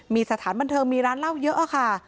มีสถานบันเทิงมีร้านเหล้าเยอะค่ะ